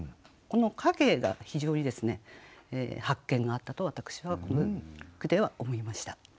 この「影」が非常に発見があったと私はこの句では思いました。